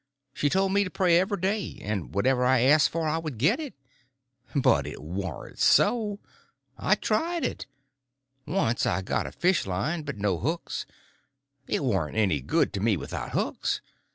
She told me to pray every day, and whatever I asked for I would get it. But it warn't so. I tried it. Once I got a fish line, but no hooks. It warn't any good to me without hooks.